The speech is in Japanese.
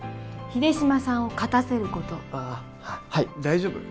秀島さんを勝たせることああはい大丈夫？